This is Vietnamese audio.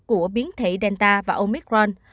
của biến thể delta và omicron